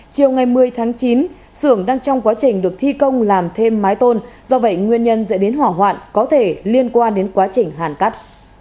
chiều ngày một mươi tháng chín sưởng đang trong quá trình được thi công làm thêm mái tôn do vậy nguyên nhân dẫn đến hỏa hoạn có thể liên quan đến quá trình hàn cắt